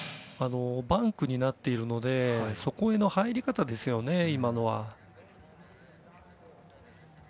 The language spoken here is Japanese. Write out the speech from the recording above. バンクになっているので今のはそこへの入り方ですよね。